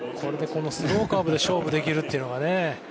スローカーブで勝負できるというのがね。